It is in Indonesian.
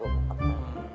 bikin gua kepengen